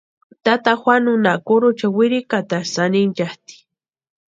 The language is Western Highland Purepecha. Tata Juanunha kurucha wirikatasï anhinchatʼi.